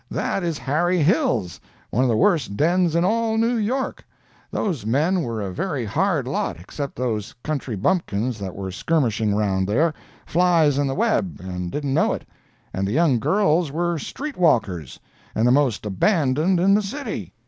That is Harry Hill's, one of the worst dens in all New York. Those men were a very hard lot, except those country bumpkins that were skirmishing around there—flies in the web, and didn't know it—and the young girls were street walkers, and the most abandoned in the city."